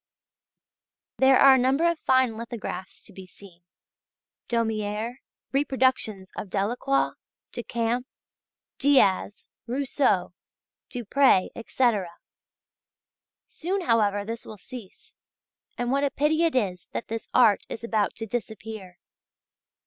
There are a number of fine lithographs to be seen: Daumiers, reproductions of Delacroix, Decamps, Diaz, Rousseau, Dupré, etc. Soon, however, this will cease, and what a pity it is that this art is about to disappear!